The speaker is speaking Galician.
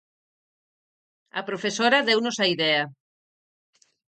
A profesora deunos a idea.